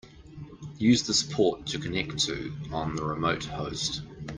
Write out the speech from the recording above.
Use this port to connect to on the remote host.